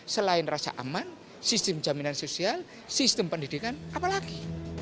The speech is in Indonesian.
selain rasa aman sistem jaminan sosial sistem pendidikan apalagi